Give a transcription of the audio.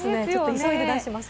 急いで出します。